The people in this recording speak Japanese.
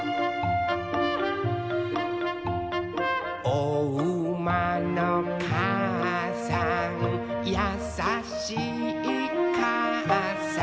「おうまのかあさんやさしいかあさん」